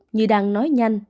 như đang nói nhanh